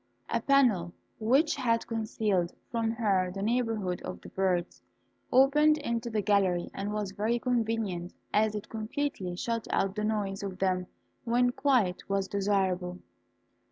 A panel which had concealed from her the neighbourhood of the birds, opened into the gallery, and was very convenient, as it completely shut out the noise of them when quiet was desirable.